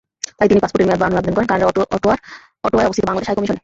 তাই তিনি পাসপোর্টের মেয়াদ বাড়ানোর আবেদন করেন কানাডার অটোয়ায় অবস্থিত বাংলাদেশ হাইকমিশনে।